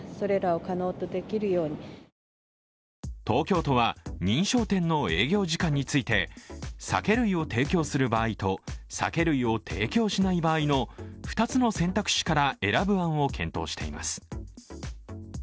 東京都は、認証店の営業時間について酒類を提供する場合と酒類を提供しない場合の２つの選択肢から選ぶ案を検討しています。